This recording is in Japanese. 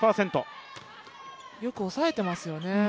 よく抑えてますよね。